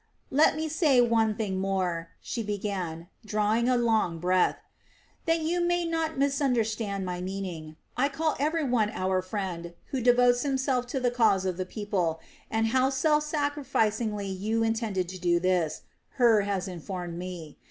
"Let me say one thing more," she began, drawing a long breath, "that you may not misunderstand my meaning. I call everyone our friend who devotes himself to the cause of the people, and how self sacrificingly you intend to do this, Hur has informed me.